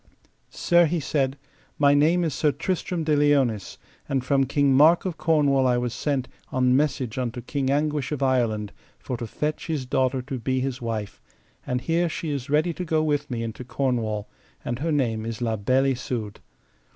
Sir, he said, my name is Sir Tristram de Liones, and from King Mark of Cornwall I was sent on message unto King Anguish of Ireland, for to fetch his daughter to be his wife, and here she is ready to go with me into Cornwall, and her name is La Beale Isoud.